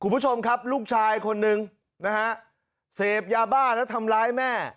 คุณผู้ชมครับลูกชายคนหนึ่งนะฮะเสพยาบ้าแล้วทำร้ายแม่